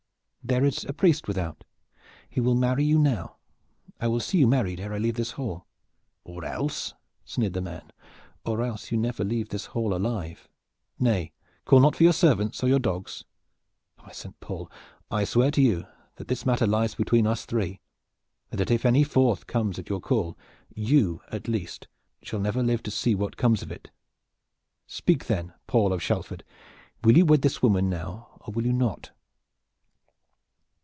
"There is a priest without. He will marry you now. I will see you married ere I leave this hall." "Or else?" sneered the man. "Or else you never leave this hall alive. Nay, call not for your servants or your dogs! By Saint Paul! I swear to you that this matter lies between us three, and that if any fourth comes at your call you, at least, shall never live to see what comes of it! Speak then, Paul of Shalford! Will you wed this woman now, or will you not?"